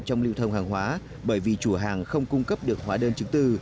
trong lưu thông hàng hóa bởi vì chủ hàng không cung cấp được hóa đơn chứng từ